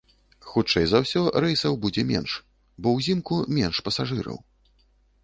Хутчэй за ўсё рэйсаў будзе менш, бо ўзімку менш пасажыраў.